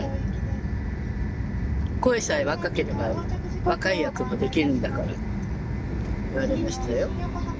声さえ若ければ若い役もできるんだからって言われましたよ。